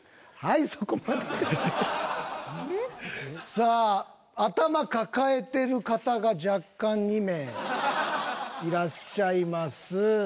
さあ頭抱えてる方が若干２名いらっしゃいます。